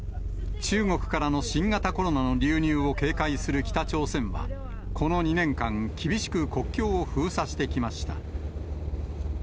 中国からの新型コロナの流入を警戒する北朝鮮は、この２年間、厳しく国境を封鎖してきました。